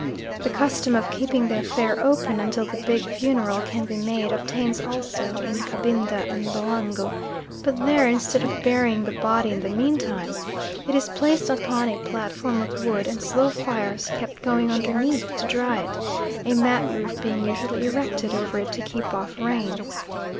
The custom of keeping the affair open until the big funeral can be made obtains also in Cabinda and Loango, but there, instead of burying the body in the meantime, it is placed upon a platform of wood, and slow fires kept going underneath to dry it, a mat roof being usually erected over it to keep off rain.